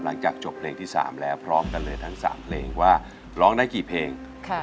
หลังจากจบเพลงที่๓แล้วพร้อมกันเลยทั้ง๓เพลงว่าร้องได้กี่เพลง